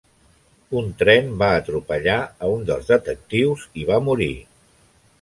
Un tren va atropellar a un dels detectius i va morir.